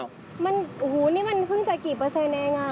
โอ้โหนี่มันเพิ่งจะกี่เปอร์เซ็นต์เองอ่ะ